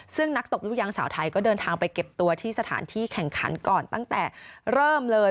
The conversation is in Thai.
ซึ่งนักตบลูกยางสาวไทยก็เดินทางไปเก็บตัวที่สถานที่แข่งขันก่อนตั้งแต่เริ่มเลย